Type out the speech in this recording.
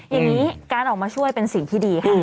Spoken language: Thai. อย่างนี้การออกมาช่วยเป็นสิ่งที่ดีค่ะ